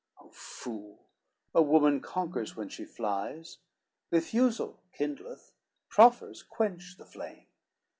O fool, a woman conquers when she flies, Refusal kindleth, proffers quench the flame.